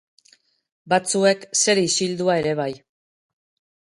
Batzuek zer isildua ere bai.